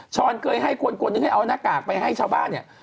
ช้อนเคยให้คนทุกคนเอาหน้ากากไปให้ชาวบ้านเนี่ย